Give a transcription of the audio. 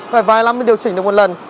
phải vài năm mới điều chỉnh được một lần